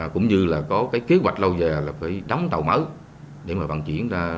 cũng như là có kế hoạch lâu giờ là phải đóng tàu mới để mà vận chuyển ra